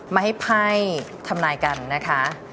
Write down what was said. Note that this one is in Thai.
มาให้ไพ่ทำลายกันนะคะ